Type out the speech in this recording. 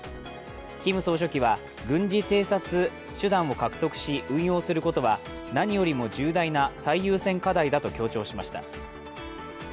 キム総書記は軍事偵察手段を獲得し、運用することは何よりも重大な最優先課題だと強調しました。